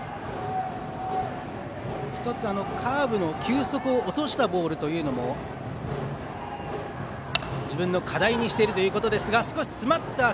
１つ、カーブの球速を落としたボールも自分の課題にしているということですが。